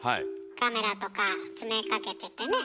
カメラとか詰めかけててね。